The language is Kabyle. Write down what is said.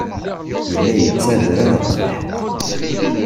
Yella yettabdad ɣef lḥeqq.